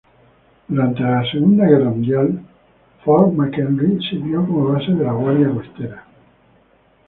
Durante la Segunda Guerra Mundial, Fort McHenry sirvió como base de la Guardia Costera.